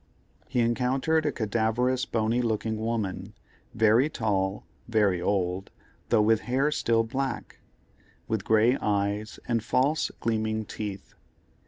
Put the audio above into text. He encountered a cadaverous bony looking woman, very tall, very old, though with hair still black; with grey eyes, and false gleaming teeth.